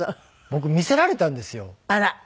僕見せられたんですよ。